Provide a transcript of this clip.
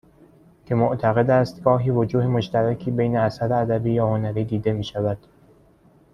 که معتقد است گاهی وجوه مشترکی بین اثر ادبی یا هنری دیده میشود